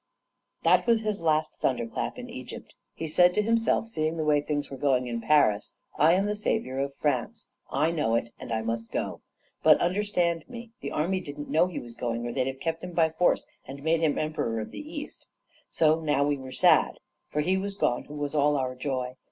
"That was his last thunder clap in Egypt. He said to himself, seeing the way things were going in Paris, 'I am the saviour of France; I know it, and I must go.' But, understand me, the army didn't know he was going, or they'd have kept him by force and made him Emperor of the East. So now we were sad; for He was gone who was all our joy.